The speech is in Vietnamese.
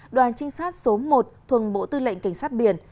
đoàn trinh sát số một thuần bộ tư lệnh cảnh sát biển